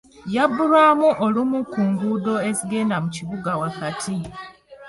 Yabbulwamu olumu ku nguudo ezigenda mu kibuga wakati.